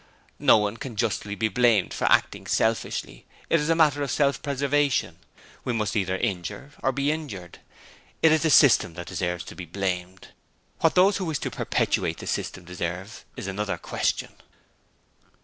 No one can justly be blamed for acting selfishly it is a matter of self preservation we must either injure or be injured. It is the system that deserves to be blamed. What those who wish to perpetuate the system deserve is another question.